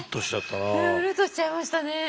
うるっとしちゃいましたね。